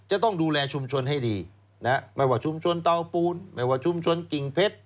จะต้องดูแลชุมชนให้ดีนะฮะไม่ว่าชุมชนเตาปูนไม่ว่าชุมชนกิ่งเพชร